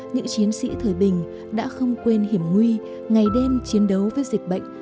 những chiến sĩ thời bình đã không quên hiểm nguy ngày đêm chiến đấu với dịch bệnh